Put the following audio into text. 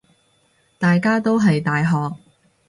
大家都係大學